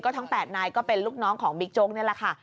ทั้ง๘นายก็เป็นลูกน้องของบิ๊กโจ๊กนี่แหละค่ะ